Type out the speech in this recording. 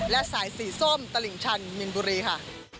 และสายสีส้มตลิ่งชันมินบุรีค่ะ